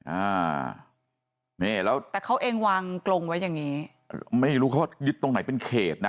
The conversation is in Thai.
อ่านี่แล้วแต่เขาเองวางกลงไว้อย่างนี้ไม่รู้เขายึดตรงไหนเป็นเขตนะ